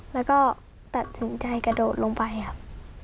แล้วก็ตัดสินใจกระโดดลงไปครับ